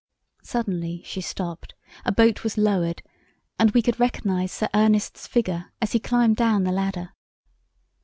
Suddenly she stopped, a boat was lowered, and we could recognize Sir Ernest's figure as he climbed down the ladder.